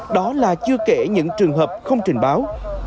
đó là chưa kể những trường hợp không trình báo